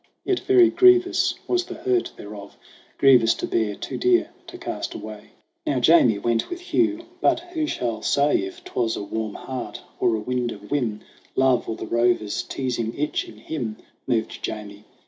Yet very precious was the hurt thereof, Grievous to bear, too dear to cast away. 6 SONG OF HUGH GLASS Now Jamie went with Hugh ; but who shall say If 'twas a warm heart or a wind of whim, Love, or the rover's teasing itch in him, Moved Jamie